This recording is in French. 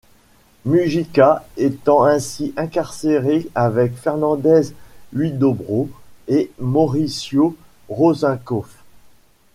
Mujica étant ainsi incarcéré avec Fernández Huidobro et Mauricio Rosencof.